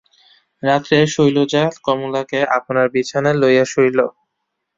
রাত্রে শৈলজা কমলাকে আপনার বিছানায় লইয়া শুইল।